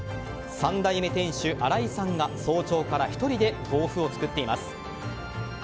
３代目店主・新井さんが早朝から１人で豆腐を作っています。